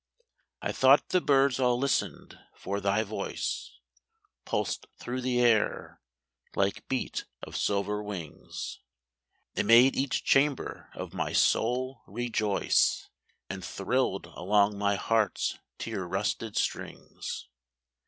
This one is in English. I thought the birds all listened; for thy voice Pulsed through the air, like beat of silver wings. It made each chamber of my soul rejoice And thrilled along my heart's tear rusted strings.